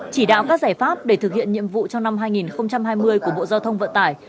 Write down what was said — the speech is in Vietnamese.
chỉ đạo các giải pháp để thực hiện nhiệm vụ trong năm hai nghìn hai mươi của bộ giao thông vận tải